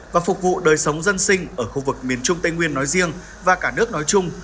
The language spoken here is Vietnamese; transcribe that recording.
và phục vụ đời sống dân sinh ở khu vực miền trung tây nguyên nói riêng và cả nước nói chung